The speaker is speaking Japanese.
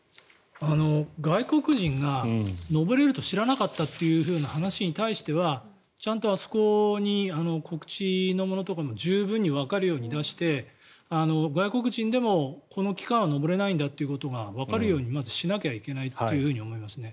外国人が登れると知らなかったという話に対してはちゃんとあそこに告知のものとかも十分にわかるように出して外国人でもこの期間は登れないんだということをわかるようにまず、しなきゃいけないと思いますね。